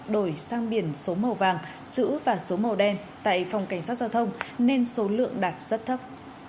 đổi sang biển số màu vàng chữ và số màu đen tại phòng cảnh sát giao thông nên số lượng đạt rất thấp